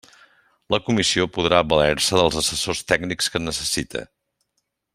La Comissió podrà valer-se dels assessors tècnics que necessite.